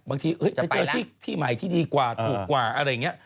บางทีก็มาให้เจอที่หมายที่ดีกว่าถูกกว่าอะไรเงี้ย